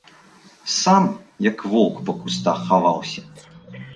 Сам, як воўк, па кустах хаваўся.